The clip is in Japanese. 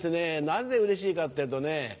なぜうれしいかっていうとね